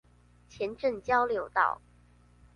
前鎮交流道